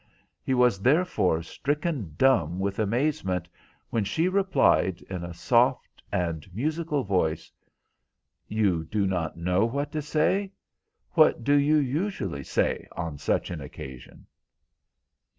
He was, therefore, stricken dumb with amazement when she replied, in a soft and musical voice— "You do not know what to say? What do you usually say on such an occasion?"